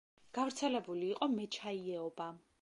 გავრცელებული იყო მეჩაიეობა.